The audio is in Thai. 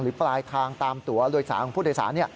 ปลายทางตามตัวโดยสารของผู้โดยสาร